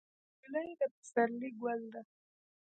نجلۍ د پسرلي ګل ده.